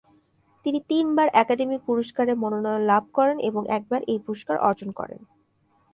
তিনি তিনবার একাডেমি পুরস্কারের মনোনয়ন লাভ করেন এবং একবার এই পুরস্কার অর্জন করেন।